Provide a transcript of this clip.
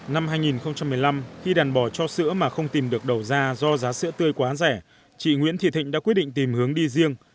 năm hai nghìn một mươi năm khi đàn bò cho sữa mà không tìm được đầu ra do giá sữa tươi quá rẻ chị nguyễn thị thịnh đã quyết định tìm hướng đi riêng